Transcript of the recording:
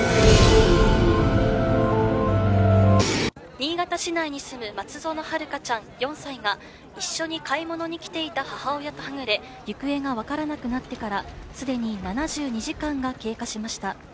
「新潟市内に住む松園遥香ちゃん４歳が一緒に買い物に来ていた母親とはぐれ行方がわからなくなってからすでに７２時間が経過しました」